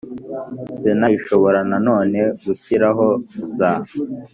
Sena ishobora na none gushyiraho za